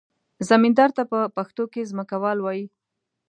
زمیندار ته په پښتو کې ځمکوال وایي.